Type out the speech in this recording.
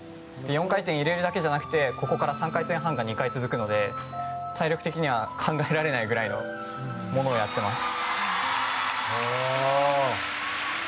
４回転入れるだけじゃなくてここから３回転半が２回続くので体力的には考えられないぐらいのものをやってます。